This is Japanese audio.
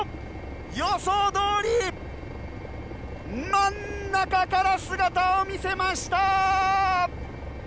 予想どおり真ん中から姿を見せました！